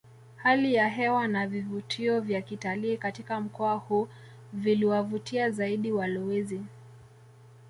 Hali ya hewa na vivutio vya kitalii katika mkoa huu viliwavutia zaidi walowezi